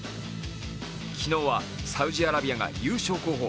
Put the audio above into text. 昨日はサウジアラビアが優勝候補